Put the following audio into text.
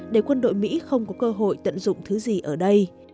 để quân đội mỹ không có cơ hội tận dụng thứ gì ở đây